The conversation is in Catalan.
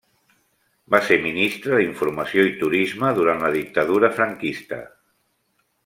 Va ser ministre d'Informació i Turisme durant la dictadura franquista.